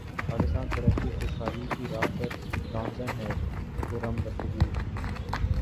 پاکستان ترقی خوشحالی کی راہ پر گامزن ہے خرم دستگیر